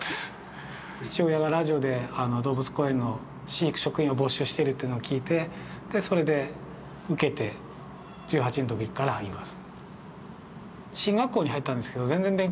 父親がラジオで動物公園の飼育職員を募集してるというのを聞いてでそれで受けて１８のときからいます。